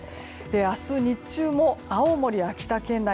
明日日中も青森、秋田県内